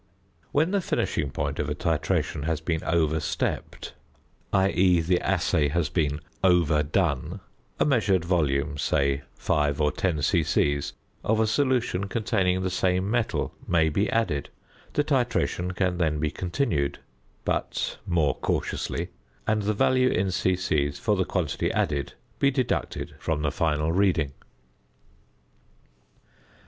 When the finishing point of a titration has been overstepped (i.e., the assay has been "overdone"), a measured volume, say 5 or 10 c.c., of a solution containing the same metal may be added. The titration can then be continued, but more cautiously, and the value in "c.c." for the quantity added be deducted from the final reading.